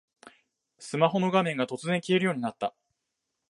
スマホの画面が突然消えるようになった